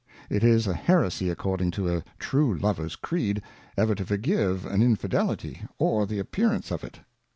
It is a Heresy according to a true Lover's Creed, ever to forgive an Infidelity, or the Appearance of it.